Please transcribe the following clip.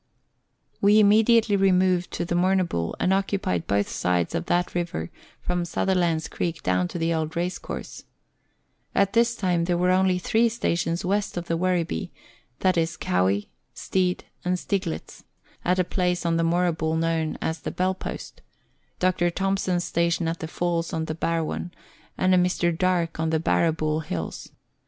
We immediately removed to the Moorabool and occupied both sides of that river from Sutherland's Creek down to the old Race course. At this time there were only three stations west of the Werribee, viz., Cowie, Stead, and Steiglitz, at a place on the Moora bool known as the Bell post ; Dr. Thomson's station at the falls on the Barwon ; and a Mr. Darke on the Barrabool Hills.